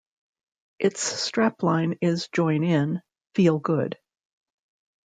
Its strapline is Join in, feel good.